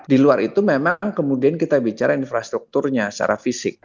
di luar itu memang kemudian kita bicara infrastrukturnya secara fisik